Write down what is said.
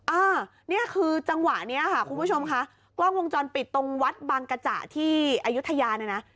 อ่านี่คือจังหวะนี้ค่ะคุณผู้ชมค่ะกล้องวงจรปิดตรงวัดบางกระจ่าที่อายุทยาเนี่ยนะ